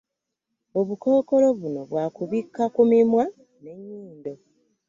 Obukookolo bunno bwa kubikka ku mimwa n'ennyindo.